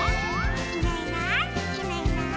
「いないいないいないいない」